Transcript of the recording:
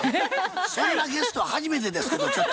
そんなゲスト初めてですけどちょっと。